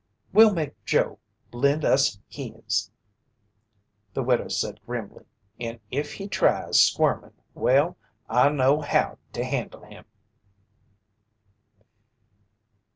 "We'll make Joe lend us his!" the widow said grimly. "And if he tries squirmin', well, I know how to handle him!"